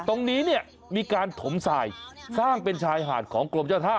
ตรงนี้เนี่ยมีการถมสายสร้างเป็นชายหาดของกรมเจ้าท่า